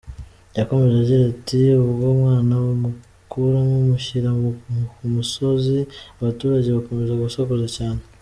Yakomeje agira ati “Ubwo umwana mukuramo mushyira ku musozi, abaturage bakomeza gusakuza cyane.